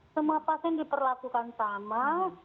semua pasien diperlakukan sama